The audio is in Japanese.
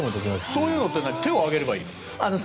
そういうのって手を挙げればいいの？